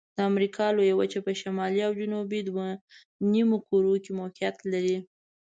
د امریکا لویه وچه په شمالي او جنوبي دوه نیمو کرو کې موقعیت لري.